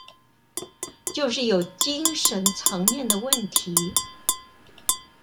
就是有精神層面的問題